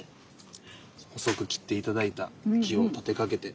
細く切って頂いた木を立てかけて。